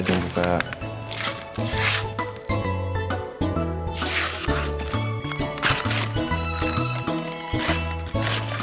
pelan mbak andin